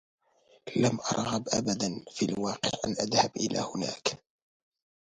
لم أرغب ابدا في الواقع أن أذهب إلى هناك.